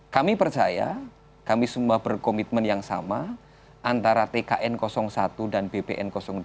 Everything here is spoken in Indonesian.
kami percaya kami semua berkomitmen yang sama antara tkn satu dan bpn dua